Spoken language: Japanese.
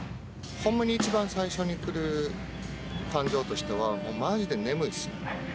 ホンマに一番最初にくる感情としてはマジで眠いっす。